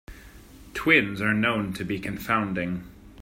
Twins are known to be confounding.